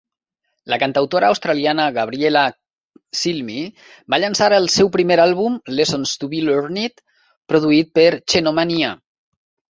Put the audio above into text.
La cantautora australiana Gabriella Cilmi va llançar el seu primer àlbum "Lessons to Be Learned", produït per Xenomania.